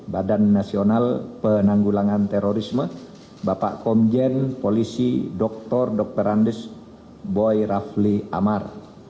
badan nasional penanggulangan terorisme bapak komjen polisi dr dr andes boy rafli amar